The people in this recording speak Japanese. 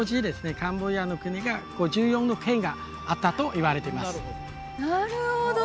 カンボジアの国が５４の県があったといわれてますなるほど！